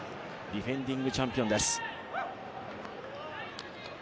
ディフェンディングチャンピオンです。